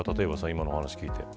今の話を聞いて。